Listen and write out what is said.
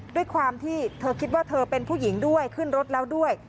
ด้วยความที่เธอคิดว่าเธอเป็นผู้หญิงด้วยขึ้นรถแล้วด้วย